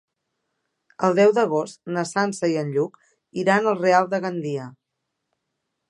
El deu d'agost na Sança i en Lluc iran al Real de Gandia.